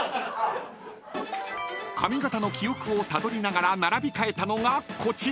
［髪形の記憶をたどりながら並び替えたのがこちら］